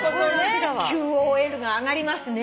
ＱＯＬが上がりますね。